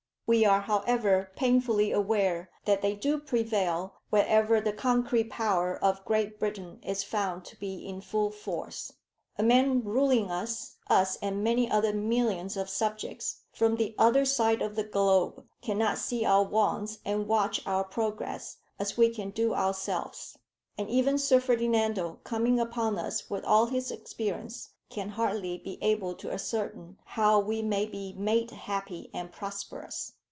We are, however, painfully aware that they do prevail wherever the concrete power of Great Britain is found to be in full force. A man ruling us, us and many other millions of subjects, from the other side of the globe, cannot see our wants and watch our progress as we can do ourselves. And even Sir Ferdinando coming upon us with all his experience, can hardly be able to ascertain how we may be made happy and prosperous.